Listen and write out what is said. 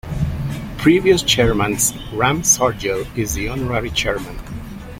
Previous chairman Ram Sardjoe is the honorary chairman.